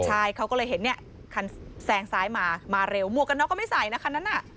ใช่เขาก็เลยเห็นเนี่ยคันแซงซ้ายมามาเร็วหมวกกันน็อกก็ไม่ใส่นะคันนั้นน่ะ